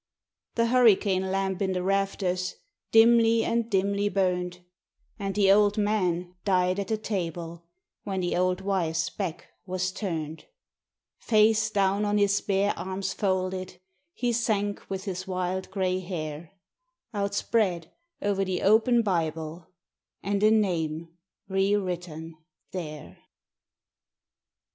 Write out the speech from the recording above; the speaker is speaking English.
The hurricane lamp in the rafters dimly and dimly burned; And the old man died at the table when the old wife's back was turned. Face down on his bare arms folded he sank with his wild grey hair Outspread o'er the open Bible and a name re written there.